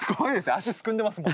足すくんでますもん。